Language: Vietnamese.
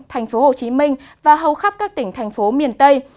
tp hcm và hầu khắp các tỉnh thành phố miền tây